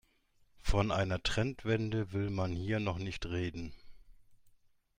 Von einer Trendwende will man hier noch nicht reden.